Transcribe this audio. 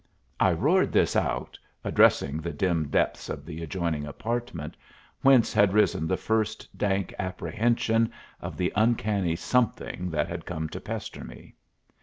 I roared this out, addressing the dim depths of the adjoining apartment, whence had risen the first dank apprehension of the uncanny something that had come to pester me.